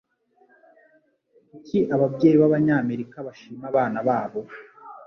Kuki ababyeyi b'Abanyamerika bashima abana babo?